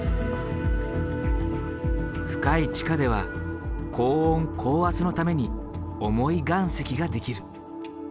深い地下では高温高圧のために重い岩石ができる。